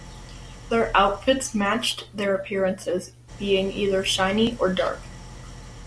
Their outfits matched their appearances, being either shiny or dark.